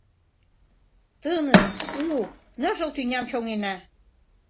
Тыныс, у, ныжыл тӱням чоҥена.